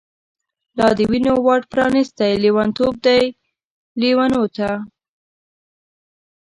لا د وینو واټ پرانیستۍ، لیونتوب دی لیونوته